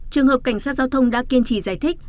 trường hợp cảnh sát giao thông đã kiên trì giải thích